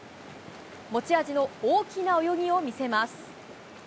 持ち味の大きな泳ぎを見せます。